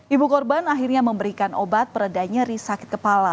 ibu korban akhirnya memberikan obat pereda nyeri sakit kepala